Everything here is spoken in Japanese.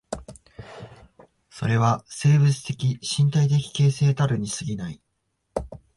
それは生物的身体的形成たるに過ぎない。